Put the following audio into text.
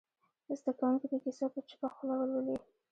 زده کوونکي دې کیسه په چوپه خوله ولولي.